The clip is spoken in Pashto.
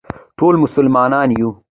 ټول مسلمانان یو